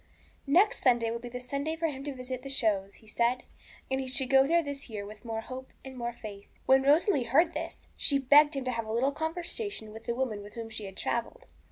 Next Sunday would be the Sunday for him to visit the shows, he said, and he should go there this year with more hope and more faith. When Rosalie heard this, she begged him to have a little conversation with the woman with whom she had travelled.